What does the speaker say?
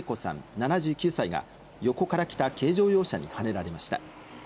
７９歳が横から来た軽乗用車にはねられました。